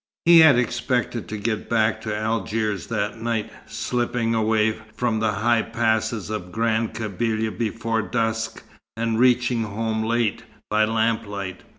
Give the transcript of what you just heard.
He had expected to get back to Algiers that night, slipping away from the high passes of Grand Kabylia before dusk, and reaching home late, by lamplight.